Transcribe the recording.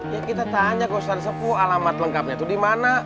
ya kita tanya ke ustadz seku alamat lengkapnya tuh dimana